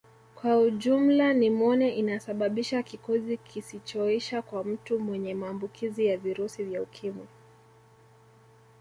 Kwa ujumla nimonia inasababisha kikozi kisichoisha kwa mtu mwenye maambukizi ya virusi vya Ukimwi